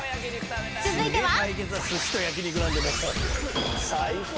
［続いては］